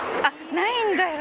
ないんだ！